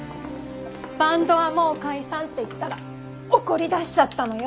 バンドはもう解散って言ったら怒り出しちゃったのよ。